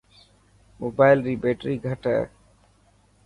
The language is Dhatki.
موبال ري بيٽري گھٽ هي.